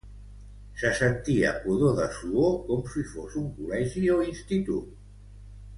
Se sentia pudor de suor com si fos un col·legi o institut